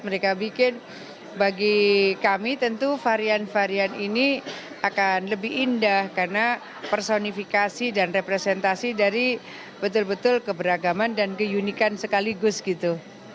mereka bikin bagi kami tentu varian varian ini akan lebih indah karena personifikasi dan representasi dari betul betul keberagaman dan keunikan sekaligus gitu